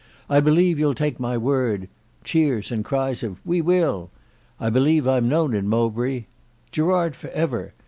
I believe you'll take my word (cheers, and cries of "We will"). I believe I'm known at Mowbray ("Gerard for ever!")